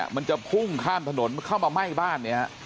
มันจะพุ่งข้ามถนนเข้ามาไหม้บ้านเนี่ยฮะ